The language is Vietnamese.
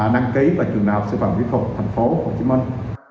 năng ký vào trường nào sẽ vào nghị thuật thành phố hồ chí minh